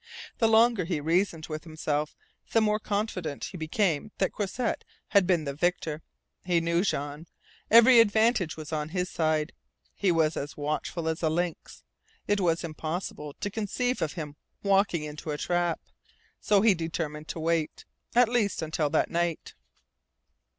The longer he reasoned with himself the more confident he became that Croisset had been the victor. He knew Jean. Every advantage was on his side. He was as watchful as a lynx. It was impossible to conceive of him walking into a trap. So he determined to wait, at least until that night.